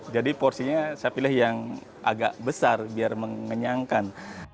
jadi porsinya saya pilih yang agak besar biar mengenyangkan